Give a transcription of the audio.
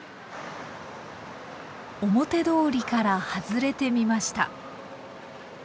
表通りから外れてみました。